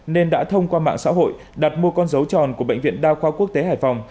nên đã thông qua mạng xã hội đặt mua con dấu tròn của bệnh viện đa khoa quốc tế hải phòng